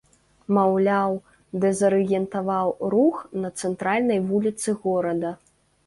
Маўляў, дэзарыентаваў рух на цэнтральнай вуліцы горада.